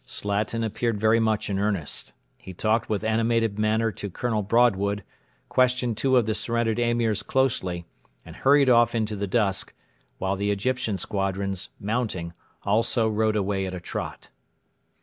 Slatin appeared very much in earnest. He talked with animated manner to Colonel Broadwood, questioned two of the surrendered Emirs closely, and hurried off into the dusk, while the Egyptian squadrons, mounting, also rode away at a trot.